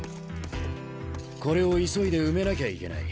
これを急いで埋めなきゃいけない。